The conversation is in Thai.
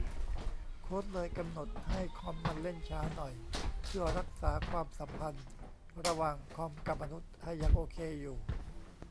โค้ดเลยกำหนดให้คอมมันเล่นช้าหน่อย เพื่อรักษาความสัมพันธ์ระหว่างคอมกับมนุษย์ให้ยังโอเคอยู่